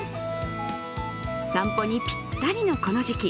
散歩にぴったりのこの時期。